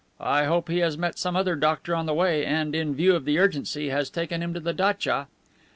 I hope he has met some other doctor on the way and, in view of the urgency, has taken him to the datcha."